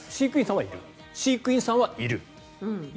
飼育員さんはいる。